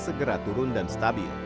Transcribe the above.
segera turun dan stabil